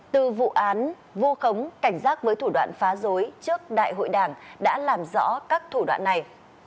từ vụ án vu khống cảnh giác với thủ đoạn phá dối trước đại hội đảng đã làm rõ các thủ đoạn này